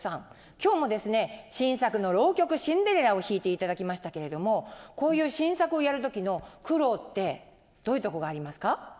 今日も新作の「浪曲シンデレラ」を弾いていただきましたけれどもこういう新作をやる時の苦労ってどういうとこがありますか？